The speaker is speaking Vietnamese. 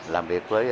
làm việc với